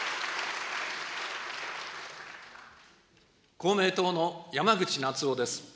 公明党の山口那津男です。